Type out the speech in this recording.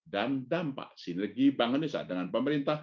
dan dampak sinergi bank indonesia dengan pemerintah